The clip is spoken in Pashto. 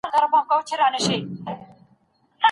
سیال هیواد نړیوال ملاتړ نه هیروي.